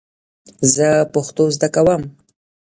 زه پښتو زده کوم